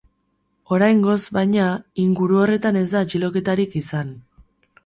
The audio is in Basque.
Oraingoz, baina, inguru horretan ez da atxiloketarik izan.